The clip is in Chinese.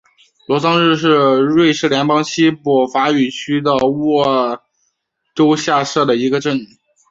罗桑日是瑞士联邦西部法语区的沃州下设的一个镇。